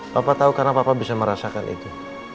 papa tau karena papa bisa merasakan itu